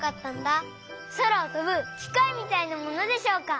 そらをとぶきかいみたいなものでしょうか？